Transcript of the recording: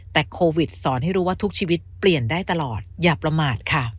แต่โควิดสอนให้รู้ว่าทุกชีวิตเปลี่ยนได้ตลอดอย่าประมาทค่ะ